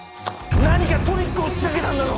何かトリックをしかけたんだろ！